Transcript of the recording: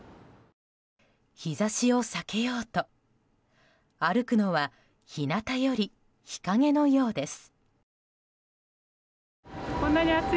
日差しを避けようと歩くのは日なたより日陰のようです。